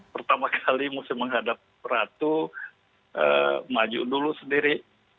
pertama kali mesti menghadap ratu maju dulu sendiri